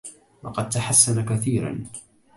لقد تحسّن كثيرا.